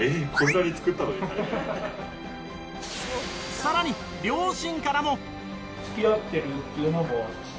更に両親からも。